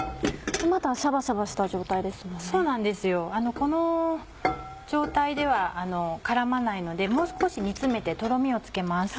この状態では絡まないのでもう少し煮詰めてとろみをつけます。